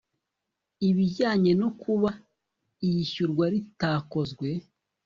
ibijyanye no kuba iyishyurwa ritakozwe